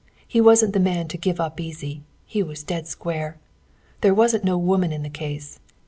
He wasn't the man to 'give up' easy. He was 'dead square.' There wasn't no woman in the case.